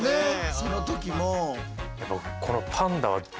その時も。